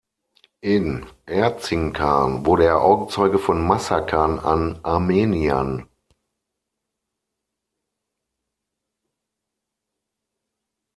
İn Erzincan wurde er Augenzeuge von Massakern an Armeniern.